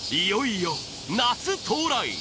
いよいよ夏到来！